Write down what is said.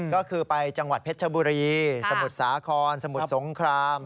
ก็คือไปจังหวัดเพชรชบุรีสมุทรสาครสมุทรสงคราม